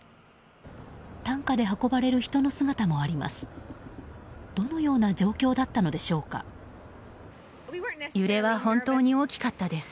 担架で運ばれる人の姿もあります。